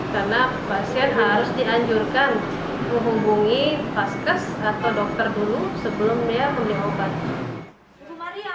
karena pasien harus dianjurkan menghubungi paskes atau dokter dulu sebelum dia membeli obat